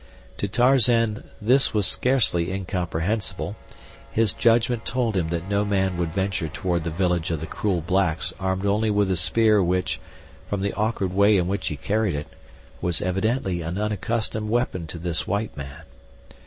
To Tarzan this was scarcely comprehensible; his judgment told him that no man would venture toward the village of the cruel blacks armed only with a spear which, from the awkward way in which he carried it, was evidently an unaccustomed weapon to this white man.